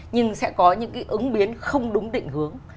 nhưng sẽ có những cái ứng biến không đúng định hướng